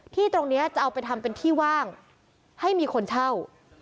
ที่ตรงนี้จะเอาไปทำเป็นที่ว่างให้มีคนเช่า